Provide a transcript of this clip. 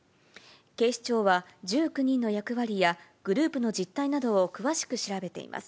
警視庁は１９人の役割や、グループの実態などを詳しく調べています。